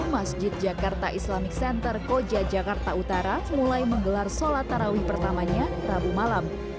masjid jakarta islamic center koja jakarta utara mulai menggelar sholat tarawih pertamanya rabu malam